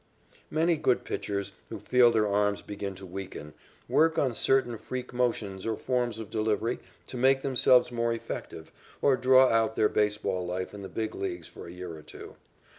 Many good pitchers, who feel their arms begin to weaken, work on certain freak motions or forms of delivery to make themselves more effective or draw out their baseball life in the Big Leagues for a year or two.